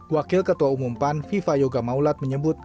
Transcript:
wakil ketua umum pan viva yoga maulat menyebut